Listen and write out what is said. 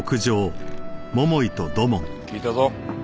聞いたぞ。